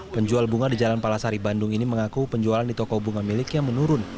penjual bunga di jalan palasari bandung ini mengaku penjualan di toko bunga miliknya menurun